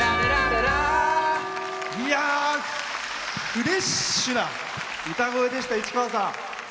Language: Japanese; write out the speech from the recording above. フレッシュな歌声でした市川さん。